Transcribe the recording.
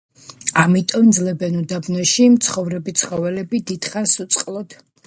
ამიტომ ძლებენ უდაბნოში მცხოვრები ცხოველები დიდხანს უწყლოდ.